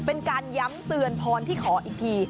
เป็นการย้ำเตือนพรที่ขออีกที